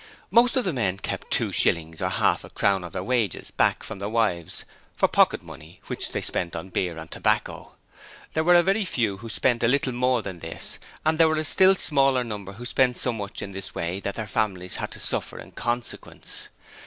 Most of the men kept two shillings or half a crown of their wages back from their wives for pocket money, which they spent on beer and tobacco. There were a very few who spent a little more than this, and there were a still smaller number who spent so much in this way that their families had to suffer in consequence.